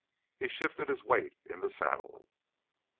He shifted his weight in the saddle.